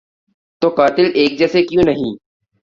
تو قاتل ایک جیسے کیوں نہیں؟